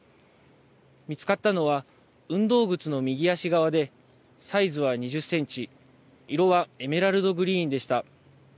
見つかったのは、運動靴の右足側で、サイズは２０センチ、色はエメラルドグリーンでした。